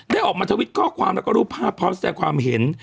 ได้ออกมาทวิตข้อความแล้วก็รูปภาพพร้อมแสดงความเห็น